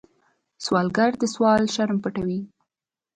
سوالګر د سوال شرم پټوي